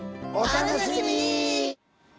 お楽しみに！